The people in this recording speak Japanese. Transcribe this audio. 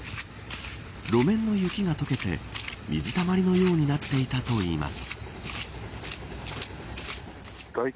路面の雪が解けて水たまりのようになっていたといいます。